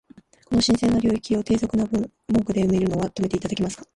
この神聖な領域を、低俗な文句で埋めるのは止めて頂けますか？